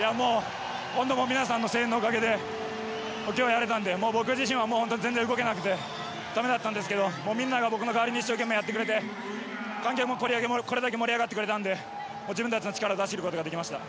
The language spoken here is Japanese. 本当に皆さんの声援のおかげでやれたので僕自身は全然動けなくてだめだったんですがみんなが僕の代わりに一生懸命やってくれてこれだけ盛り上がってくれたので力を出せました。